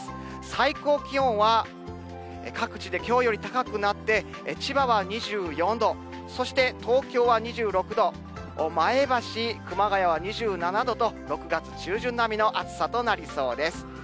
最高気温は各地できょうより高くなって、千葉は２４度、そして東京は２６度、前橋、熊谷は２７度と、６月中旬並みの暑さとなりそうです。